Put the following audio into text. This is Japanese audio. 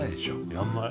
やんない？